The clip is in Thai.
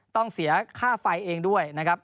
ต้องเสียค่าไฟเองด้วยนะครับ